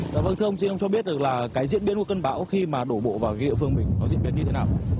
vâng thưa ông xin ông cho biết được là cái diễn biến của cơn bão khi mà đổ bộ vào cái địa phương mình nó diễn biến như thế nào